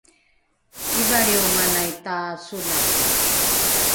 ivalrionganai tasolate